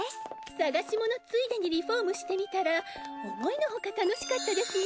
捜し物ついでにリフォームしてみたら思いのほかたのしかったですね。